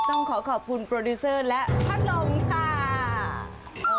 ต้องขอขอบคุณโปรดิวเซอร์และพัดลมค่ะ